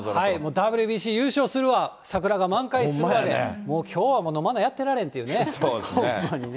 ＷＢＣ優勝するわ、桜は満開で、もうきょうはのまなやってられんっていうね、ほんまにね。